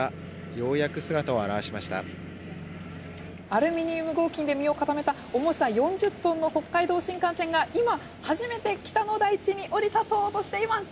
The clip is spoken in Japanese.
アルミニウム合金で身を固めた重さ４０トンの北海道新幹線が今初めて北の大地に降り立とうとしています！